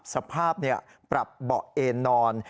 สภาพปรับเบาะเอนนอน